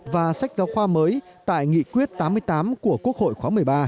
và sách giáo khoa mới tại nghị quyết tám mươi tám của quốc hội khóa một mươi ba